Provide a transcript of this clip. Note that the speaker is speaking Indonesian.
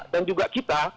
dan juga kita